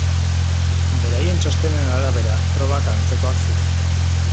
Beraien txostenen arabera probak antzekoak ziren.